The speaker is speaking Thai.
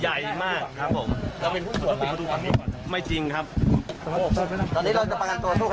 ใหญ่กว่าผมเพียงใหญ่มาก